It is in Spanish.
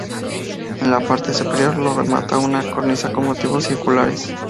En la parte superior lo remata una cornisa con motivos circulares.